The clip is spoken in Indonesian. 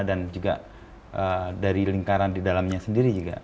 dan juga dari lingkaran di dalamnya sendiri juga